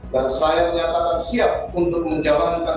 dan saya menyatakan siap untuk menjalankan